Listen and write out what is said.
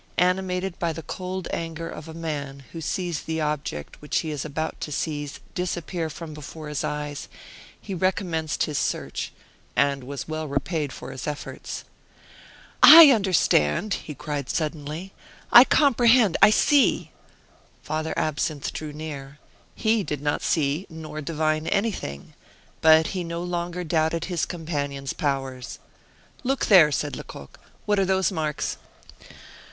Animated by the cold anger of a man who sees the object which he was about to seize disappear from before his eyes, he recommenced his search, and was well repaid for his efforts. "I understand!" he cried suddenly, "I comprehend I see!" Father Absinthe drew near. He did not see nor divine anything! but he no longer doubted his companion's powers. "Look there," said Lecoq; "what are those marks?"